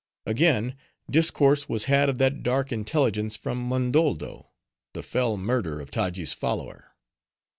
Again discourse was had of that dark intelligence from Mondoldo,—the fell murder of Taji's follower.